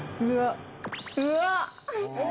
うわっ！